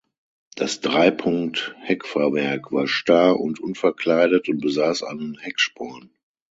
Das Dreipunkt-Heckfahrwerk war starr und unverkleidet und besaß einen Hecksporn.